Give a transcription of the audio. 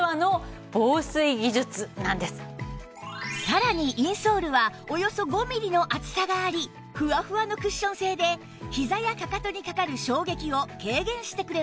さらにインソールはおよそ５ミリの厚さがありフワフワのクッション性でひざやかかとにかかる衝撃を軽減してくれます